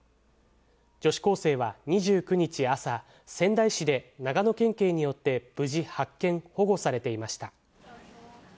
女子高生は２９日朝、仙台市で、長野県警によって無事発見・保護されていました。